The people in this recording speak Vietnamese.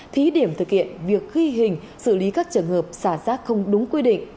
thí điểm thực hiện việc ghi hình xử lý các trường hợp xả rác không đúng quy định